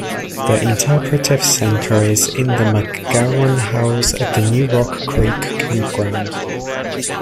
The interpretive centre is in the McGowan House at the new Rock Creek Campground.